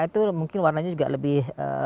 itu mungkin warnanya juga lebih